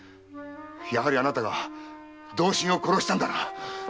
やはりあなたが同心を殺したんだな！